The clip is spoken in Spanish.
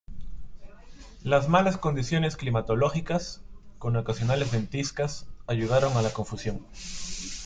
Las malas condiciones climatológicas, con ocasionales ventiscas, ayudaron a la confusión.